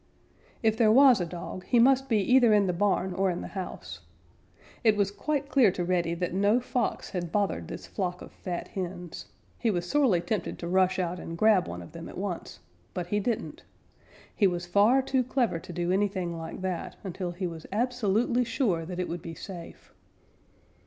If there was a dog, he must be either in the barn or in the house. It was quite clear to Reddy that no Fox had bothered this flock of fat hens. He was sorely tempted to rush out and grab one of them at once, but he didn't. He was far too clever to do anything like that until he was absolutely sure that it would be safe.